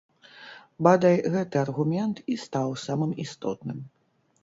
Бадай, гэты аргумент і стаў самым істотным.